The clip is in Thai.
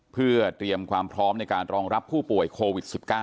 เพื่อเตรียมความพร้อมในการรองรับผู้ป่วยโควิด๑๙